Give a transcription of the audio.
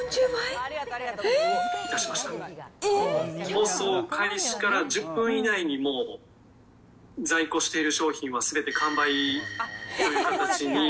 放送開始から１０分以内にもう、在庫している商品はすべて完売という形に。